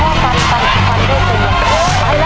ภายในเวลา๓นาที